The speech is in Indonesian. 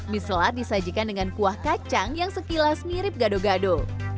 mie selat disajikan dengan kuah kacang yang sekilas mirip gado gado